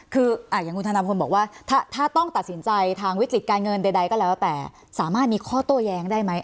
คืออย่างคุณธนพลบอกว่าถ้าต้องตัดสินใจทางวิกฤติการเงินใดก็แล้วแต่สามารถมีข้อโต้แย้งได้ไหม